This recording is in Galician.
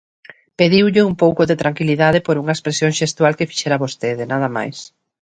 Pediulle un pouco de tranquilidade por unha expresión xestual que fixera vostede, nada máis.